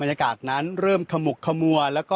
อะไรก็อาจนั้นเริ่มขมกขมวลแล้วก็